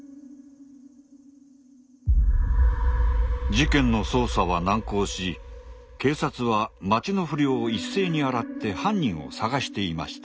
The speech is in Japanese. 事件の捜査は難航し警察は町の不良を一斉に洗って犯人を捜していました。